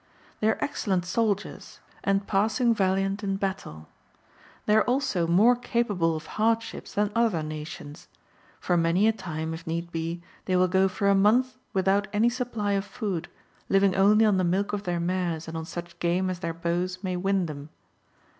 ^ They are excellent soldiers, and passing valiant in battle. They are also more capable of hard ships than other nations ; for many a time, If need be, they will go for a month without any supply of food, living only on the milk of their mares and on such game as their bows may win them.